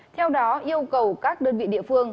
theo đó yêu cầu các đơn vị địa phương